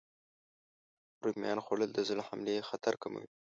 رومیان خوړل د زړه حملې خطر کموي.